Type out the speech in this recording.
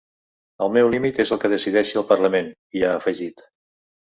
El meu límit és el que decideixi el parlament, hi ha afegit.